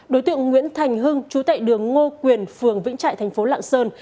đối tượng nguyễn thành hưng chú tại đường ngô quyền phường vĩnh trại thành phố lạng sơn